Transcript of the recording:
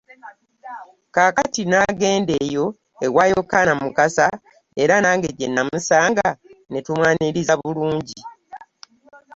Kaakati n’agenda eyo ewa Yokaana Mukasa, era nange gye namusanga ne tumwaniriza bulungi.